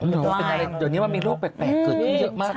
เดี๋ยวนี้มันมีโรคแปลกเกิดขึ้นเยอะมากนะ